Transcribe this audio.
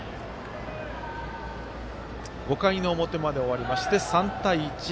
５回の表まで終わりまして３対１。